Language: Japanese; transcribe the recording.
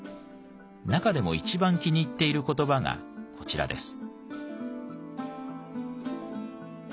中でも一番気に入っている言葉がこちらです。